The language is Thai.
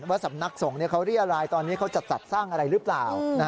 สำนักสงฆ์เขาเรียรายตอนนี้เขาจะจัดสร้างอะไรหรือเปล่า